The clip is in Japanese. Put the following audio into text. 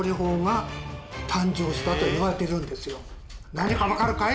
何か分かるかい？